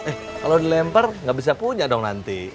eh kalo dilempar gak bisa punya dong nanti